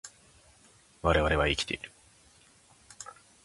我々は生きている